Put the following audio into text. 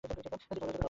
বহুদিন পর দর্শন পেলাম।